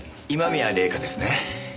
今宮礼夏ですね。